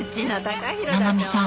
七海さん。